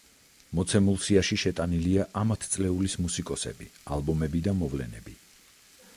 მოცემულ სიაში შეტანილია ამ ათწლეულის მუსიკოსები, ალბომები და მოვლენები.